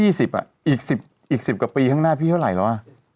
อีก๑๐กับปีข้างหน้าพี่เท่าไหร่ละวะ